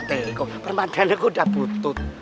tiko permadani kuda butut